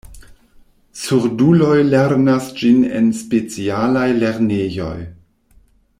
Surduloj lernas ĝin en specialaj lernejoj.